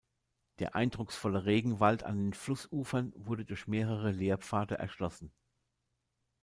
Der eindrucksvolle Regenwald an den Flussufern wurde durch mehrere Lehrpfade erschlossen.